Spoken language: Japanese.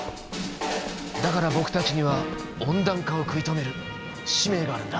だから僕たちには温暖化を食い止める使命があるんだ。